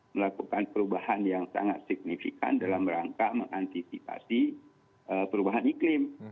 melakukan perubahan yang sangat signifikan dalam rangka mengantisipasi perubahan iklim